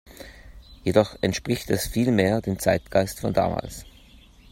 Jedoch entspricht es viel mehr dem Zeitgeist von damals.